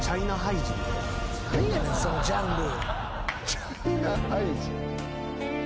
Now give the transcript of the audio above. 何やねんそのジャンル。